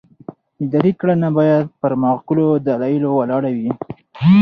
اداري کړنه باید پر معقولو دلیلونو ولاړه وي.